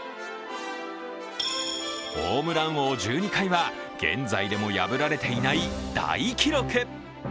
ホームラン王１２回は現在でも破られていない大記録。